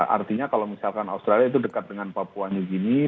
artinya kalau misalkan australia itu dekat dengan papua new guinea